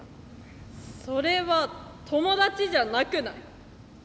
それは友達じゃなくない？